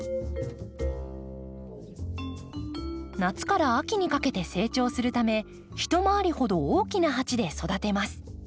夏から秋にかけて成長するため一回りほど大きな鉢で育てます。